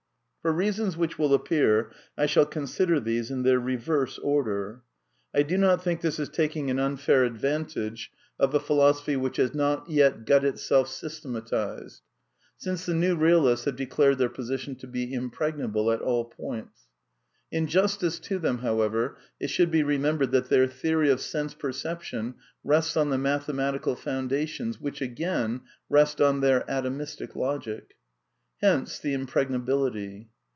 Por reasons which will appear I shall consider these in their reverse order. I do not think this is taking an imf air 214 A DEFENCE OF IDEALISM advantage of a philosophy which has not yet got itself sys tematized ; since the new realists have declared their posi tion to be impregnable at all points. In justice to them, however, it should be remembered that their theory of sense perception rests on the mathematical foundations, which, again, rest on their Atomistic Logic. Hence the impregnability.